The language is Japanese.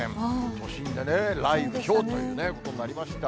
都心でね、雷雨、ひょうというね、ことになりました。